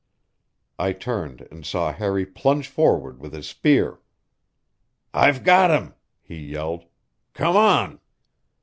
I turned and saw Harry plunge forward with his spear. "I've got him!" he yelled. "Come on!"